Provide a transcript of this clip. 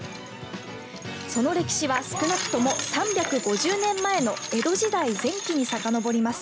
その歴史は少なくとも３５０年前の江戸時代前期にさかのぼります。